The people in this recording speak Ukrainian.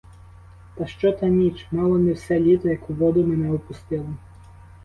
Та що та ніч — мало не все літо як у воду мене опустили!